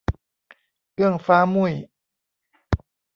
เอื้องฟ้ามุ่ย